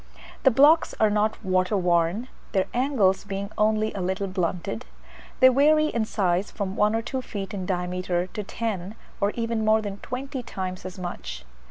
The blocks are not water worn, their angles being only a little blunted; they vary in size from one or two feet in diameter to ten, or even more than twenty times as much.